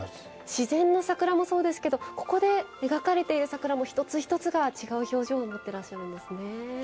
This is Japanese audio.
自然の桜もそうですがここで描かれている桜も一つ一つが違う表情を持っていらっしゃるんですね。